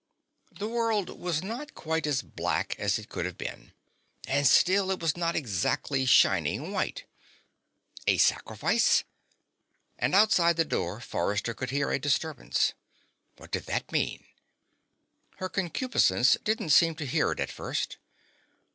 The world was not quite as black as it could have been. And still, it was not exactly shining white. A sacrifice? And outside the door, Forrester could hear a disturbance. What did that mean? Her Concupiscence didn't seem to hear it at first.